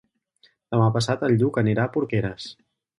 Demà passat en Lluc anirà a Porqueres.